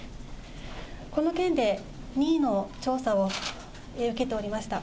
この件で任意の調査を受けておりました。